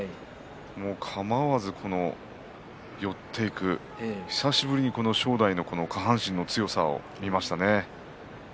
かまわず寄っていく久しぶりに正代の下半身の強さを見ましたね。